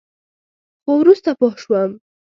خو وروسته پوه شوم.